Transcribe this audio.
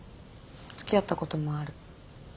つきあったこともある。